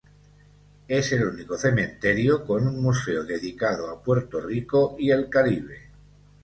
Es el único cementerio con un museo dedicado a Puerto Rico y el Caribe.